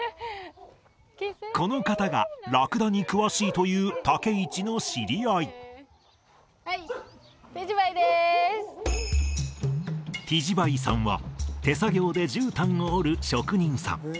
この方がラクダに詳しいという武市の知り合いはいティジバイさんは手作業でじゅうたんを織る職人さん